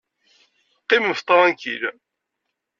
Qqimemt ṭṛankil!